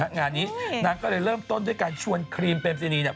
งานนี้นางก็เลยเริ่มต้นด้วยการชวนครีมเปรมซินีเนี่ย